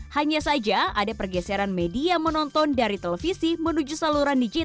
hanya saja ada pergeseran media menonton dari televisi menuju saluran digital